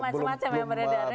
banyak macam macam yang beredar ya